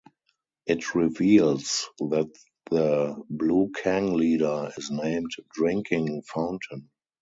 It reveals that the Blue Kang Leader is named Drinking Fountain.